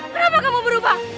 kenapa kamu berubah